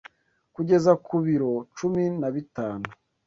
kugeza ku biro cumi na bitanu